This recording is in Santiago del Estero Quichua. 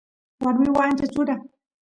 warmi waa ancha chura